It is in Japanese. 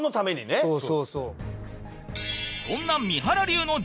そうそうそう。